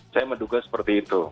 saya menduga seperti itu